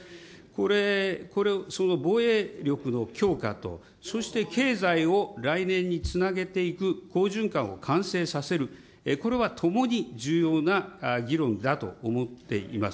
これ、防衛力の強化と、そして経済を来年につなげていく好循環を完成させる、これはともに重要な議論だと思っています。